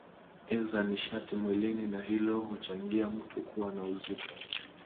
eza nishati mwilini na hilo huchangia mtu kuwa na uzito